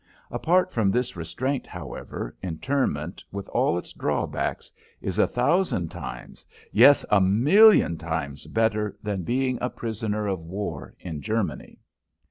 Apart from this restraint, however, internment, with all its drawbacks, is a thousand times yes, a million times better than being a prisoner of war in Germany.